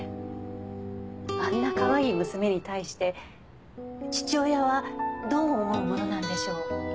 あんなかわいい娘に対して父親はどう思うものなんでしょう？